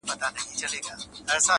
• نو پر تا به د قصاب ولي بری وای -